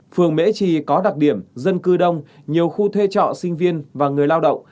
phường mễ trì có đặc điểm dân cư đông nhiều khu thuê trọ sinh viên và người lao động